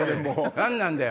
何なんだよ